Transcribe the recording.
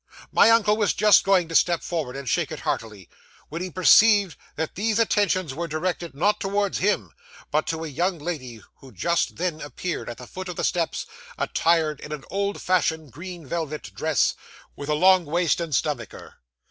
My uncle was just going to step forward, and shake it heartily, when he perceived that these attentions were directed, not towards him, but to a young lady who just then appeared at the foot of the steps, attired in an old fashioned green velvet dress with a long waist and stomacher.